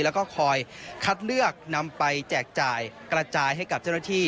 แล้วก็คอยคัดเลือกนำไปแจกจ่ายกระจายให้กับเจ้าหน้าที่